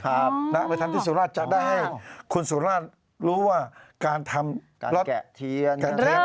จะได้ให้คุณสุราชรู้ว่าการทำรถเอาไปจับสุราช